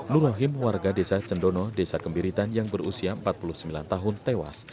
nur rahim warga desa cendono desa kembiritan yang berusia empat puluh sembilan tahun tewas